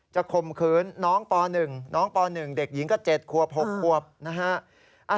ข่มขืนน้องป๑น้องป๑เด็กหญิงก็๗ควบ๖ควบนะฮะ